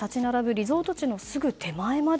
リゾート地のすぐ手前まで